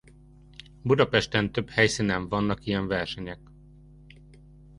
Budapesten több helyszínen vannak ilyen versenyek.